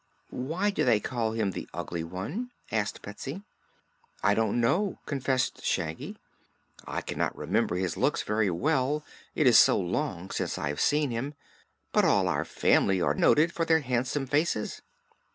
"Why do they call him the Ugly One?" asked Betsy. "I do not know," confessed Shaggy. "I cannot remember his looks very well, it is so long since I have seen him; but all of our family are noted for their handsome faces."